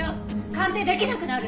鑑定できなくなる！